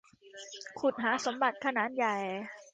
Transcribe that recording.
ขุดหาสมบัติขนานใหญ่